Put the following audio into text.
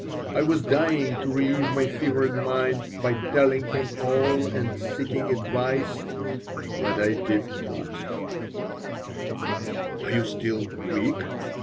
I was dying to relieve my fevered mind by telling him all and seeking advice, but I did not "Are you still weak?"